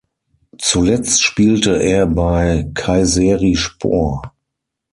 Zuletzt spielte er bei Kayserispor.